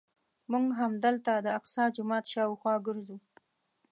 موږ همدلته د الاقصی جومات شاوخوا ګرځو.